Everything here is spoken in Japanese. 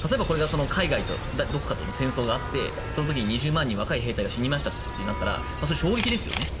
例えばこれが海外との戦争があって若い兵隊が２０万人死にましたとなったらそれは衝撃ですよね。